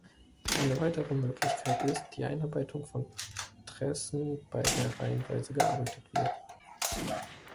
Eine weitere Möglichkeit ist die Einarbeitung von Tressen, bei der reihenweise gearbeitet wird.